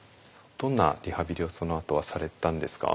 どんなリハビリをそのあとはされたんですか？